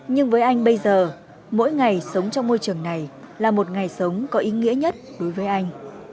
nhưng với anh bây giờ mỗi ngày sống trong môi trường này là một ngày sống có ý nghĩa nhất đối với anh